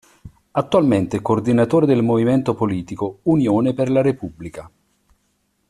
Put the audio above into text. Attualmente è coordinatore del movimento politico Unione per la Repubblica.